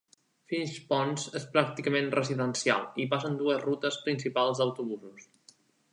Fishponds és pràcticament residencial i passen dues rutes principals d'autobusos.